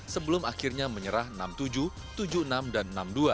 sebelum akhirnya menyerah enam tujuh tujuh enam dan enam dua